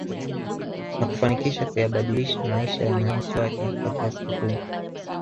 Na kufanikisha kuyabadilisha maisha ya wananchi wake kwa kiasi kikubwa